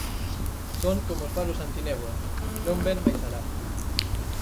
Son como os faros antinéboa, non ven máis alá.